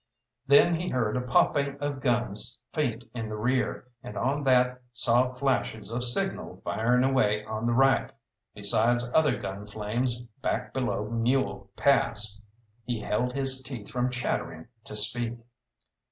Then he heard a popping of guns faint in the rear, and on that saw flashes of signal firing away on the right, besides other gun flames back below Mule Pass. He held his teeth from chattering to speak.